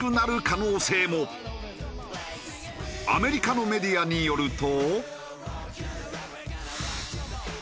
アメリカのメディアによると。